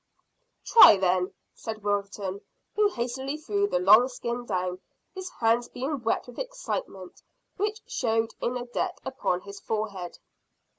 "Try, then," said Wilton, who hastily threw the long skin down, his hands being wet with excitement, which showed in a deck upon his forehead.